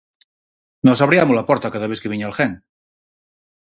Nós abriamos a porta cada vez que viña alguén.